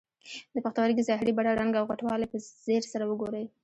د پښتورګي ظاهري بڼه، رنګ او غټوالی په ځیر سره وګورئ.